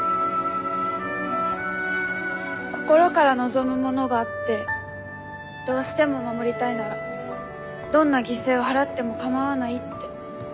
心から望むものがあってどうしても守りたいならどんな犠牲を払ってもかまわないって。